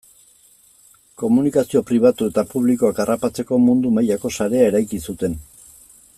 Komunikazio pribatu eta publikoak harrapatzeko mundu mailako sarea eraiki zuten.